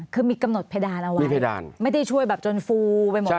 คือมีกำหนดเพดานเอาไว้ไม่ได้ช่วยจนฟู